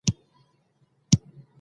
پښتورګي له بدن څخه اضافي اوبه وباسي